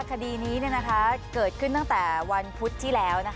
คดีนี้เกิดขึ้นตั้งแต่วันพุธที่แล้ว